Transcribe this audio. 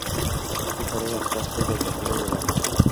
একটু পরেই আস্তে আস্তে দরজা খুলে গেল।